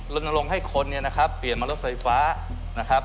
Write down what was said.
ลดลงให้คนเปลี่ยนมารถไฟฟ้า